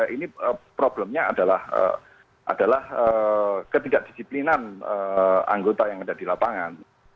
ini problemnya adalah ketidakdisiplinan anggota yang ada di lapangan